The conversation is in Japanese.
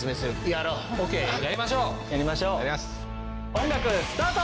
音楽スタート！